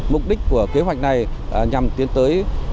mục đích của kế hoạch này nhằm tiến tới